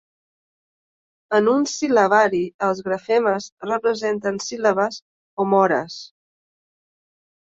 En un sil·labari, els grafemes representen síl·labes o mores.